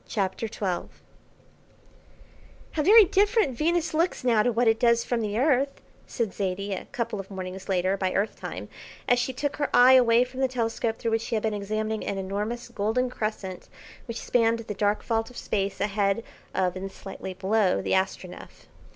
CHAPTER XII "How very different Venus looks now to what it does from the earth," said Zaidie, a couple of mornings later, by earth time, as she took her eye away from the telescope through which she had been examining an enormous golden crescent which spanned the dark vault of Space ahead of and slightly below the Astronef.